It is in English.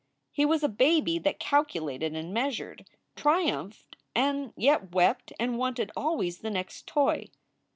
He was a baby that calcu lated and measured, triumphed and yet wept and wanted always the next toy.